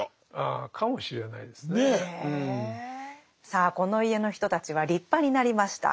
さあこの家の人たちは立派になりました。